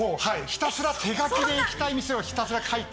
ひたすら手書きで行きたい店をひたすら書いて。